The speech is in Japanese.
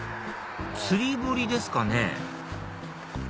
釣り堀ですかね？